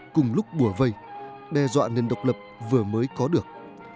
cùng lúc bùa vây đe dọa nền độc lập vừa mới có được